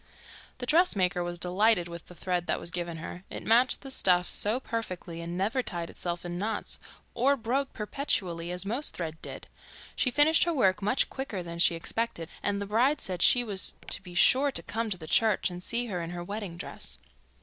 The dressmaker was delighted with the thread that was given her. It matched the stuffs so perfectly, and never tied itself in knots, or broke perpetually, as most thread did. She finished her work much quicker than she expected and the bride said she was to be sure to come to the church and see her in her wedding dress.